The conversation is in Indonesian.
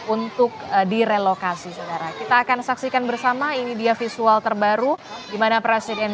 untuk direlokasi secara kita akan saksikan bersama ini dia visual terbaru dimana presiden